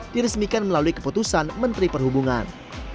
diresmikan melalui keputusan menteri perhubungan